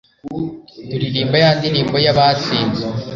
turirimba ya ndirimbo y'abatsinze